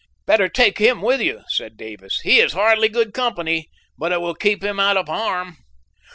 "Better take him with you," said Davis. "He is hardly good company, but it will keep him out of harm."